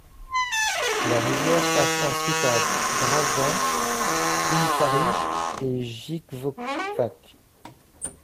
La rivière passe ensuite à Dražanj, Umčari et Živkovac.